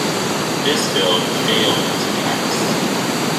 This Bill failed to pass.